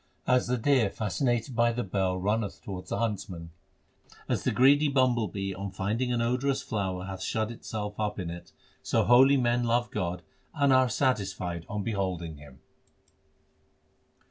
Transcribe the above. As the deer fascinated by the bell runneth towards the huntsman ; 378 THE SIKH RELIGION As the greedy bumble bee on finding an odorous flower hath itself shut up in it ; So holy men love God and are satisfied on beholding Him.